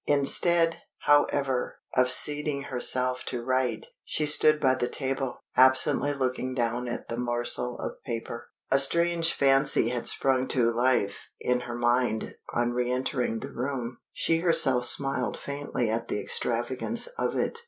Instead, however, of seating herself to write, she stood by the table, absently looking down at the morsel of paper. A strange fancy had sprung to life in her mind on re entering the room; she herself smiled faintly at the extravagance of it.